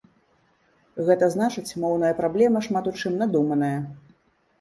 Гэта значыць моўная праблема шмат у чым надуманая.